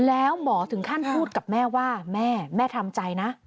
แล้วหมอถึงขั้นพูดกับแม่ว่าแม่แม่ทำใจนะ